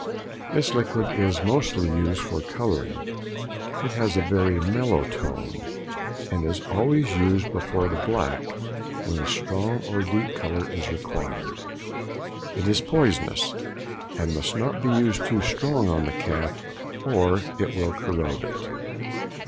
This liquid is mostly used for colouring; it has a very mellow tone, and is always used before the black when a strong or deep colour is required. It is poisonous, and must not be used too strong on the calf or it will corrode it.